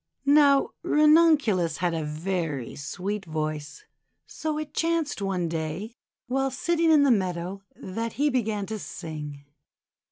Now Ranunculus had a very sweet voice, so it chanced one day, while sitting in the meadow, that he began to sing.